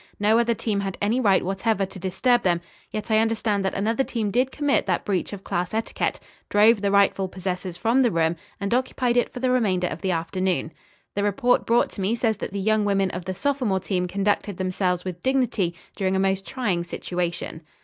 No other team had any right whatever to disturb them, yet I understand that another team did commit that breach of class etiquette, drove the rightful possessors from the room and occupied it for the remainder of the afternoon. The report brought to me says that the young women of the sophomore team conducted themselves with dignity during a most trying situation."